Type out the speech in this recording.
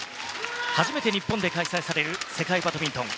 初めて日本で開催される世界バドミントン。